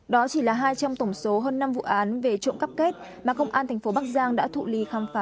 đó chỉ là hai trong tổng số hơn năm vụ án về trộm cắp kết mà công an tp bắc giang đã thụ lì khám phá